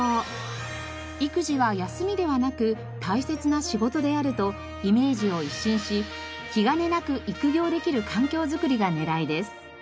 育児は休みではなく大切な仕事であるとイメージを一新し気兼ねなく育業できる環境づくりが狙いです。